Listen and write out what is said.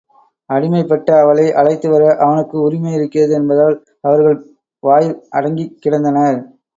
அடிமைப்பட்ட அவளை அழைத்துவர அவனுக்கு உரிமை இருக்கிறது என்பதால் அவர்கள் வாய் அடங்கிக் கிடந்தனர்.